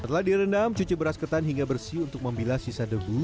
setelah direndam cuci beras ketan hingga bersih untuk membilah sisa debu